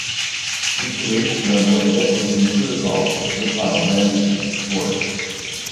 Information on what networking protocols the file managers support.